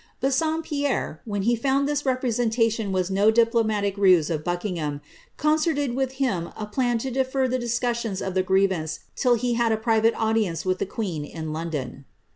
Bassompierre, when he found this representation was no diplomatic rtue of Buckingham, concerted with him a plan to defer the discussion of the grieTanee till be had a private audience with the queen, in London.